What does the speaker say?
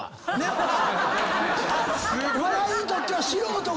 笑いにとっては素人が。